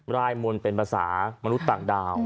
รายมนต์เป็นภาษามนุษย์ต่างดาว